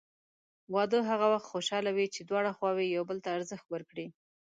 واده هغه وخت خوشحاله وي چې دواړه خواوې یو بل ته ارزښت ورکړي.